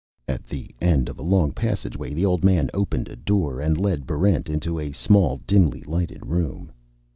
At the end of a long passageway, the old man opened a door and led Barrent into a small, dimly lighted room.